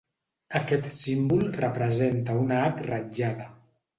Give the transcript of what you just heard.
Aquest símbol representa una hac ratllada.